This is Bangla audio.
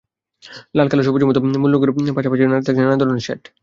লাল, কালো, সবুজের মতো মূল রংগুলোর পাশাপাশি থাকছে নানা ধরনের শেড।